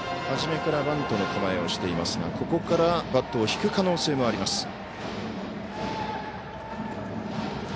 はじめからバントの構えをしていますがここからバットを引く可能性もあります。